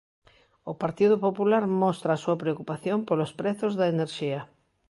O Partido Popular mostra a súa preocupación polos prezos da enerxía.